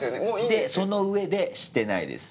でその上でしてないです。